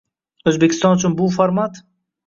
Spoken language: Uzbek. Oʻzbekiston uchun bu format